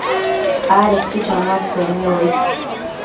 adequi chonuaccuenniobi